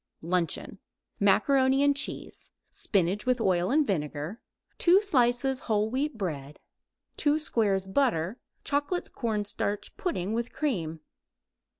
] LUNCHEON Macaroni and cheese; spinach with oil and vinegar; 2 slices whole wheat bread; 2 squares butter; chocolate cornstarch pudding with cream.